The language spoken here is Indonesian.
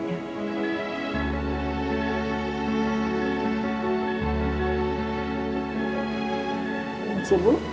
terima kasih bu